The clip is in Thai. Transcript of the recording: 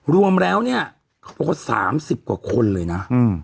รวมแล้วเนี่ยพวกเขา๓๐กว่าคนเลยนะ